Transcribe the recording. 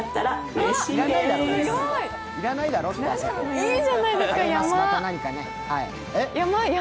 いいじゃないですか、山。